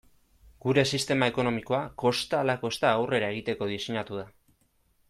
Gure sistema ekonomikoa kosta ala kosta aurrera egiteko diseinatu da.